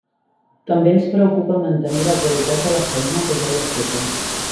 També ens preocupa mantenir la qualitat de la feina que ja hi ha feta.